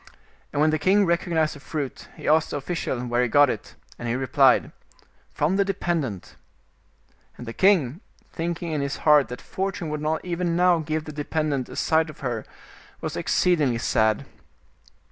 And when the king recognized the fruit, he asked the official where he got it, and he replied, " From the dependent." And the king, thinking in his heart that Fortune would not even now give the dependent a sight of her, was exceedingly sad.